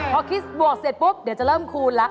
พอคิดบวกเสร็จปุ๊บเดี๋ยวจะเริ่มคูณแล้ว